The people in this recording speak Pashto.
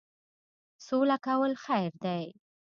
سوله کول خیر دی.